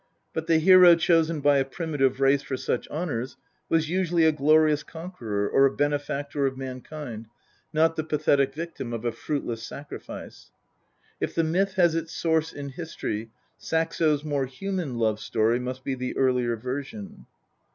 But the hero chosen by a primitive race for such honours was usually a glorious conqueror or a benefactor of mankind, not the pathetic victim of a fruitless sacrifice. If the myth has its source in history, Saxo's more human love story must be the earlier version.